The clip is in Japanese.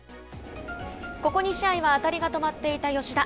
ここ２試合は当たりが止まっていた吉田。